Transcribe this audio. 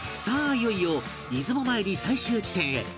いよいよ出雲参り最終地点へ